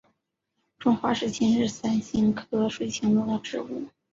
中华水芹是伞形科水芹属的植物。